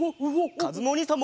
かずむおにいさんも。